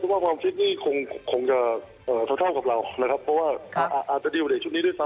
ว่าความคิดนี่คงจะเท่ากับเรานะครับเพราะว่าอาจจะดีกว่าเด็กชุดนี้ด้วยซ้